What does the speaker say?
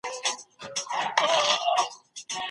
پلار زموږ د شخصیت په هنداره کي تر ټولو ښکلی انځور دی.